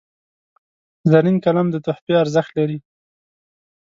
زرین قلم د تحفې ارزښت لري.